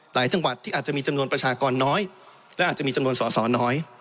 จังหวัดที่อาจจะมีจำนวนประชากรน้อยและอาจจะมีจำนวนสอสอน้อย